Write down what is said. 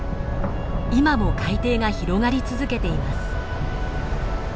今も海底が広がり続けています。